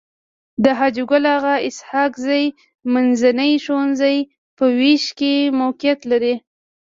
د حاجي ګل اغا اسحق زي منځنی ښوونځی په ويش کي موقعيت لري.